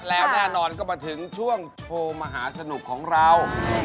แล้วแน่นอนก็มาถึงช่วงโชว์หมาย